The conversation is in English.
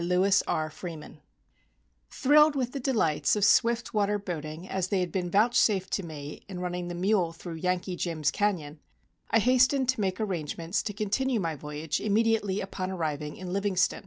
CHAPTER V "CALAMITY JANE" Thrilled with the delights of swift water boating as they had been vouchsafed to me in running the Mule through "Yankee Jim's Canyon," I hastened to make arrangements to continue my voyage immediately upon arriving in Livingston.